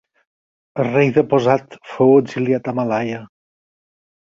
El rei deposat fou exiliat a Malaia.